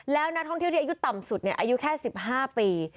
แล้วนักท่องเที่ยวที่อายุต่ำสุดอายุแค่๑๕ปี